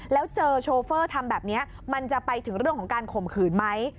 แล้วเจอโชเฟอร์ทำแบบนี้มันจะไปถึงเรื่องของการข่มขืนไหม